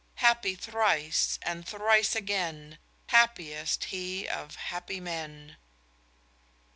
Happy thrice, and thrice agen, Happiest he of happy men.